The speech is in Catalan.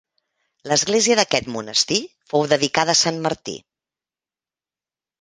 L'església d'aquest monestir fou dedicada a Sant Martí.